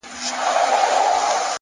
وخت د ژوند تر ټولو قیمتي پانګه ده.!